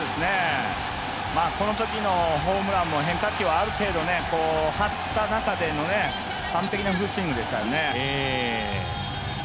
このときのホームランも変化球をある程度張った中での完璧なフルスイングでしたよね。